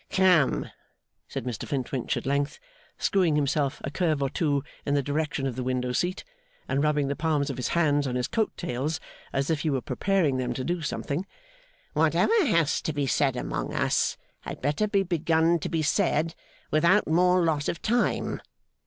'Come!' said Mr Flintwinch at length, screwing himself a curve or two in the direction of the window seat, and rubbing the palms of his hands on his coat tail as if he were preparing them to do something: 'Whatever has to be said among us had better be begun to be said without more loss of time.